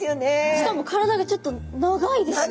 しかも体がちょっと長いですね。